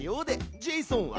ジェイソンは？